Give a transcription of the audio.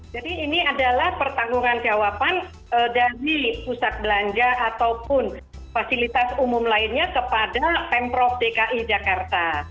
jadi ini adalah pertanggung jawaban dari pusat belanja ataupun fasilitas umum lainnya kepada pemprov dki jakarta